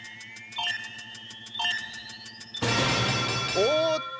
おーっと